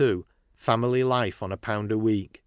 Family Life on a Pound a Week.